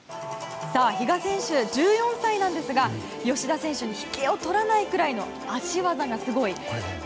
比嘉選手、１４歳なんですが吉田選手に引けを取らないくらいの脚技がすごい。